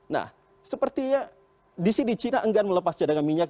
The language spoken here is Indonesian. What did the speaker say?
nah sepertinya di sini cina enggan melepas cadangan minyak